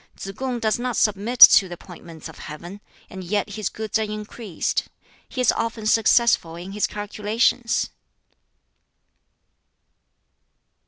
Tsz kung does not submit to the appointments of Heaven; and yet his goods are increased; he is often successful in his calculations."